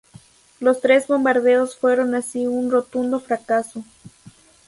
Los tres bombardeos fueron así un rotundo fracaso.